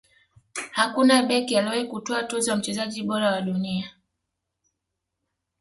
hakuna beki aliyewahi kutwaa tuzo ya mchezaji bora wa dunia